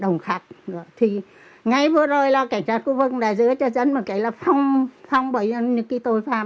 ngay vừa rồi là cảnh sát khu vực đã giữ cho dân một cái là phòng bởi những tội phạm